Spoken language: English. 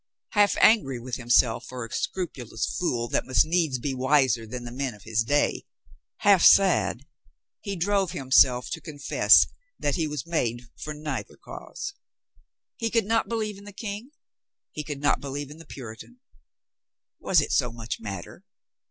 Half angry with himself for a scrupulous fool (that must needs be wiser than the men of his day, half sad, he drove himself to confess that he was made for neither cause. He could not believe in the King; he could not believe in the Puritan; was it so much matter?